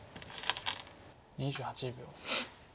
２８秒。